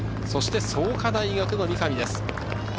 そして創価大の三上です。